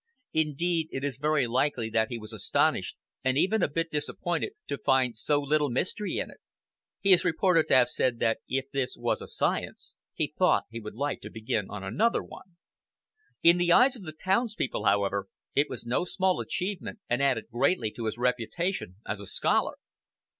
Indeed, it is very likely that he was astonished, and even a bit disappointed, to find so little mystery in it. He is reported to have said that if this was a "science," he thought he would like to begin on another one. In the eyes of the townspeople, however, it was no small achievement, and added greatly to his reputation as a scholar.